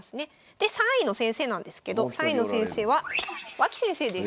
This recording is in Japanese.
で３位の先生なんですけど３位の先生は脇先生です。